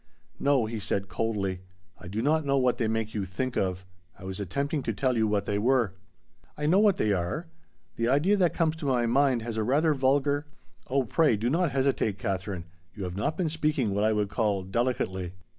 "No," he said coldly, "I do not know what they make you 'think of.' I was attempting to tell you what they were." "I know what they are. The idea that comes to my mind has a rather vulgar " "Oh, pray do not hesitate, Katherine. You have not been speaking what I would call delicately."